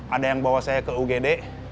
ada yang bawa saya ke ugd